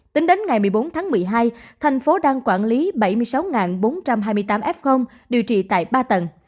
tính đến ngày một mươi bốn tháng một mươi hai thành phố đang quản lý bảy mươi sáu bốn trăm hai mươi tám f điều trị tại ba tầng